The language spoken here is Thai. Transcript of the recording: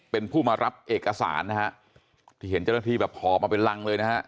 เป็นผู้มารับเอกสารนะฮะที่เห็นเจ้าหน้าที่แบบหอบมาเป็นรังเลยนะฮะ